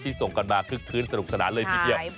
ส่งกันมาคึกคืนสนุกสนานเลยทีเดียว